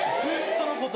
その子と。